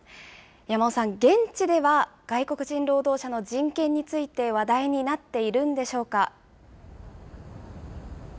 山尾さん、現地では外国人労働者の人権について話題になっているんでしょうか。